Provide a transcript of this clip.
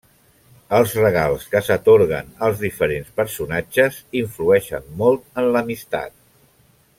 Els regals que s'atorguen als diferents personatges influeixen molt en l'amistat.